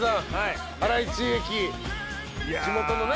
地元のね。